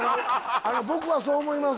僕はそう思います